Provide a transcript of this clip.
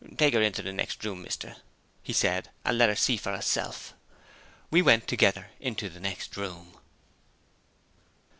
"Take her into the next room, mister," he said, "and let her see for herself." We went together into the next room.